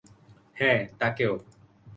হ্যাঁ, তাকেও।